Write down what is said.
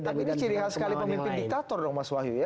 tapi ini ciri khas sekali pemimpin diktator dong mas wahyu ya